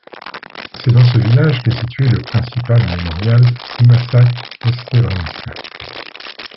C'est dans ce village qu'est situé le principal mémorial du massacre de Srebrenica.